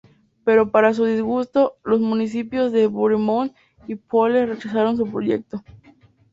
Pero para su disgusto, los municipios de Bournemouth y Poole rechazaron su proyecto.